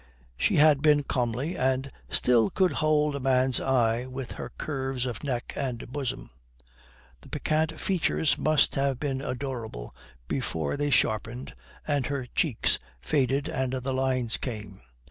She had been comely, and still could hold a man's eye with her curves of neck and bosom. The piquant features must have been adorable before they sharpened and her cheeks faded and the lines came.